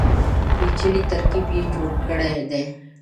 پېچلی ترکیب یې جوړ کړی دی.